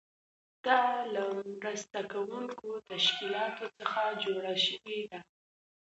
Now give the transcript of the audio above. دا له مرسته کوونکو تشکیلاتو څخه جوړه شوې ده.